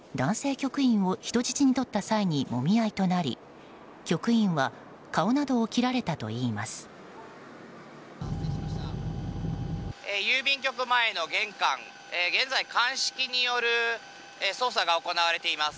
局員を人質に取った際にもみ合いとなり局員は顔などを切られたといいます。